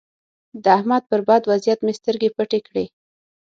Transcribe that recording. د احمد پر بد وضيعت مې سترګې پټې کړې.